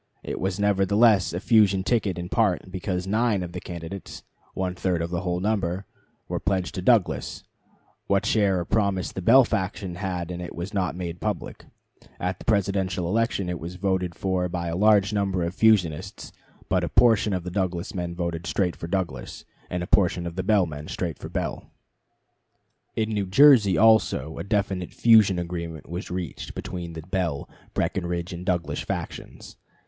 It was nevertheless a fusion ticket in part, because nine of the candidates (one third of the whole number) were pledged to Douglas. What share or promise the Bell faction had in it was not made public. At the Presidential election it was voted for by a large number of fusionists; but a portion of the Douglas men voted straight for Douglas, and a portion of the Bell men straight for Bell. Greeley, "American Conflict," Vol. I., p. 328. Ibid., p. 328. In New Jersey also a definite fusion agreement was reached between the Bell, Breckinridge, and Douglas factions.